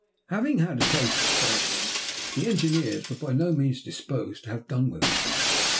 Having had a taste of fighting, the engineers were by no means disposed to have done with it.